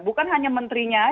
bukan hanya menterinya